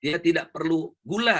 dia tidak perlu gula